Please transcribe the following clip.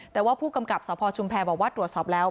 แต่ว่าผู้กำกับสพชุมแพรบอกว่าตรวจสอบแล้ว